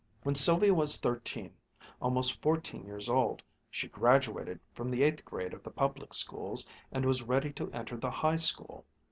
When Sylvia was thirteen, almost fourteen years old, she "graduated" from the eighth grade of the public schools and was ready to enter the High School.